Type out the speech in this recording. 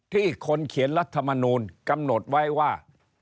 ที่คนเขียนรัฐมนูลกำหนดไว้ว่า